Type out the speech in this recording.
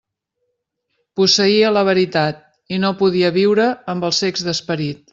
Posseïa la veritat i no podia viure amb els cecs d'esperit.